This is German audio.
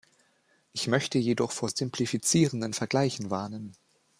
Ich möchte jedoch vor simplifizierenden Vergleichen warnen.